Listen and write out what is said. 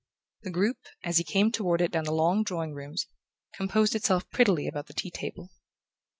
The group, as he came toward it down the long drawing rooms, composed itself prettily about the tea table.